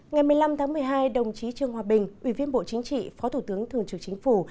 ngày một mươi năm tháng một mươi hai đồng chí trương hòa bình ủy viên bộ chính trị phó thủ tướng thường trưởng chính phủ